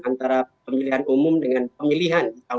antara pemilihan umum dengan pemilihan di tahun dua ribu empat